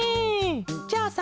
じゃあさ